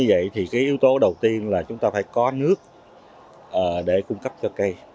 vậy thì cái yếu tố đầu tiên là chúng ta phải có nước để cung cấp cho cây